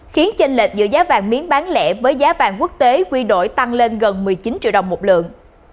khiến chênh lệch giữa giá vàng miếng bán lẻ với giá vàng quốc tế quy đổi tăng lên gần một mươi chín triệu đồng một lượng